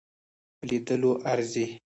په لیدلو ارزي.